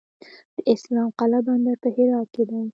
د اسلام قلعه بندر په هرات کې دی